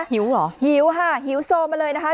หิวเหรอหิวค่ะหิวโซมาเลยนะคะ